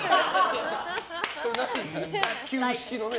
旧式のね。